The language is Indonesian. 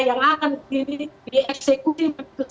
yang akan di eksekusi